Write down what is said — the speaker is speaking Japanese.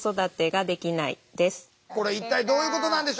これ一体どういうことなんでしょう？